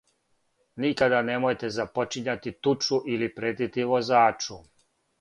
Никада немојте започињати тучу или претити возачу.